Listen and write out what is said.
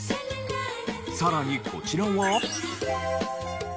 さらにこちらは。